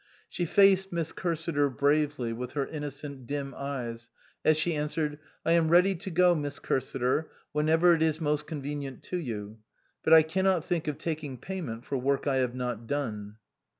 She faced Miss Cursiter bravely with her inno cent dim eyes as she answered : "I am ready to go, Miss Cursiter, whenever it is most convenient to you ; but I cannot think of taking payment for work I have not done."